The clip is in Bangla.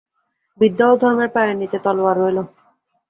বিদ্যা ও ধর্মের পায়ের নীচে তলওয়ার রইল।